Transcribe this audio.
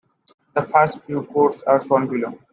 The first few codes are shown below.